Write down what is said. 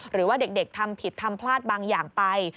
หรือว่าเด็กทำผิดทำพลาดบางอย่างไป